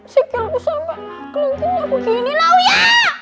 sikil aku sama kelengkuhnya aku gini lah uya